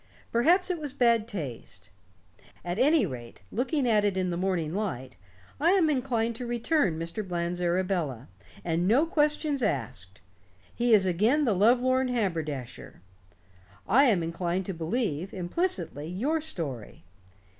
Perhaps it was bad taste. At any rate, looking at it in the morning light, I am inclined to return Mr. Bland's Arabella, and no questions asked. He is again the lovelorn haberdasher. I am inclined to believe, implicitly, your story.